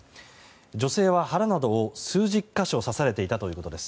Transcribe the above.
女性は腹などを数十か所刺されていたということです。